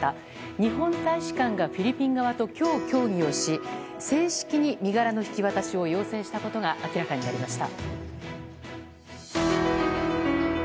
日本大使館がフィリピン側と今日、協議をし正式に身柄の引き渡しを要請したことが明らかになりました。